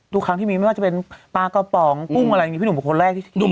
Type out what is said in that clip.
ทุกครั้งที่มีไม่ว่าจะเป็นปลากระป๋องกุ้งอะไรมีพี่หนุ่มเป็นคนแรกที่หนุ่ม